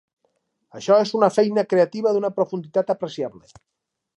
Això és una feina creativa d'una profunditat apreciable.